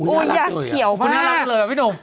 อย่างเขียวมาก